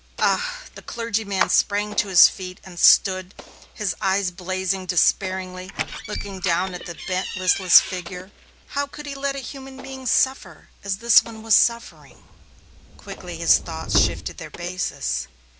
"Ah!" The clergyman sprang to his feet and stood, his eyes blazing, despairing, looking down at the bent, listless figure. How could he let a human being suffer as this one was suffering? Quickly his thoughts shifted their basis.